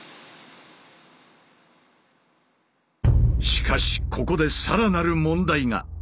しかしここでさらなる問題が。